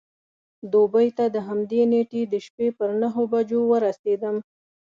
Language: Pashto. دوبۍ ته د همدې نېټې د شپې پر نهو بجو ورسېدم.